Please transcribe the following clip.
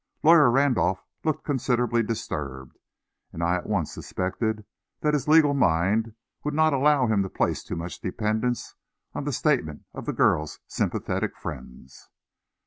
Lawyer Randolph looked considerably disturbed, and I at once suspected that his legal mind would not allow him to place too much dependence on the statements of the girl's sympathetic friends.